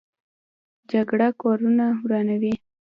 جګړه کورونه ورانوي